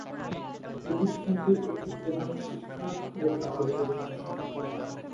প্রতিষ্ঠানটি একটি প্রধান শিক্ষা ও দাতব্য প্রতিষ্ঠান।